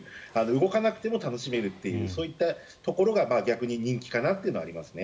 動かなくても楽しめるというところが逆に人気かなというのはあります。